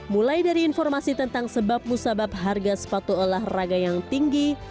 mulai dari informasi tentang sebab musabab harga sepatu olahraga yang tinggi